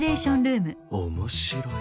面白い。